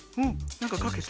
なんかかけて？